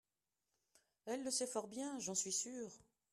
elle le sait fort bien, j'en suis sur.